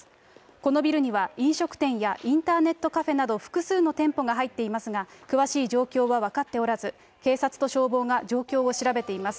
このビルには、飲食店やインターネットカフェなど複数の店舗が入っていますが、詳しい状況は分かっておらず、警察と消防が状況を調べています。